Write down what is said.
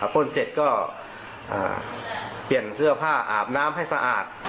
พ่นเสร็จก็เปลี่ยนเสื้อผ้าอาบน้ำให้สะอาด